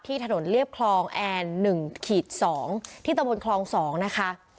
ที่ถนนเรียบคลองแอร์หนึ่งขีดสองที่ตะมุนคลองสองนะคะ